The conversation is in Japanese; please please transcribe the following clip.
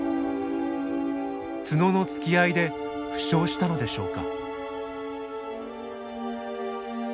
角の突き合いで負傷したのでしょうか。